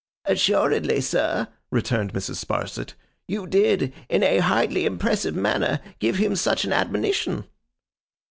'Assuredly, sir,' returned Mrs. Sparsit, 'you did, in a highly impressive manner, give him such an admonition.